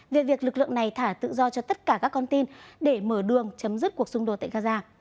về việc lực lượng này thả tự do cho tất cả các con tin để mở đường chấm dứt cuộc xung đột tại gaza